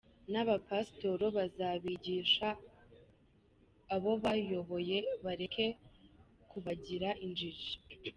Na ba pastors bazabigisha abobayoboye bareke kubagira injiji.